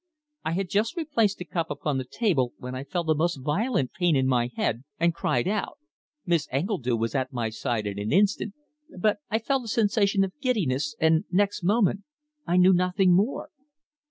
I had just replaced the cup upon the table when I felt a most violent pain in my head, and cried out. Miss Engledue was at my side in an instant, but I felt a sensation of giddiness, and next moment I knew nothing more."